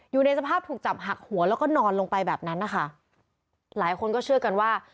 อยู่ในสภาพถูกจับหักหัวแล้วก็นอนลงไปแบบนั้นนะคะหลายคนก็เชื่อกันว่า